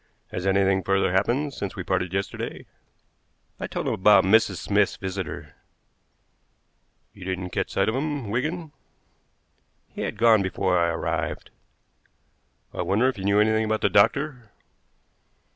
Has anything further happened since we parted yesterday?" I told him about Mrs. Smith's visitor. "You didn't catch sight of him, Wigan?" "He had gone before I arrived." "I wonder if he knew anything about the doctor."